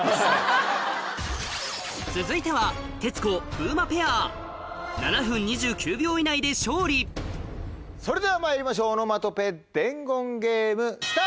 続いては７分２９秒以内で勝利それではまいりましょうオノマトペ伝言ゲーム。